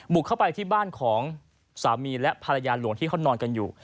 เข้าไปที่บ้านของสามีและภรรยาหลวงที่เขานอนกันอยู่